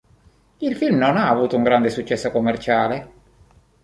Il film non ha avuto un grande successo commerciale.